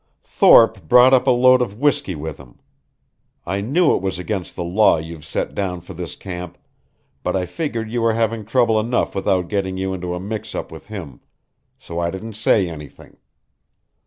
"Thorpe brought up a load of whisky with him. I knew it was against the law you've set down for this camp, but I figured you were having trouble enough without getting you into a mix up with him, so I didn't say anything.